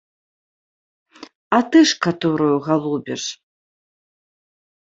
А ты ж каторую галубіш?